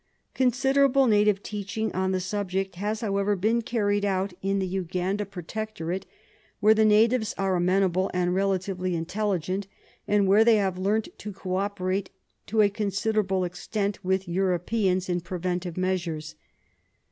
Considerable native teaching on the subject has, however, been carried out in the Uganda Pro SLEEPING SICKNESS 49 tectorate, where the natives are amenable and relatively intelligent, and where they have learnt to co operate to a considerable extent with Europeans in preventive measures.